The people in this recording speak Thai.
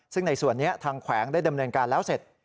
ซึ่งในส่วนนี้ทางแขวงได้ดำเนินการแล้วเสร็จ